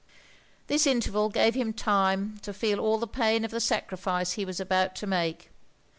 This interval gave him time to feel all the pain of the sacrifice he was about to make.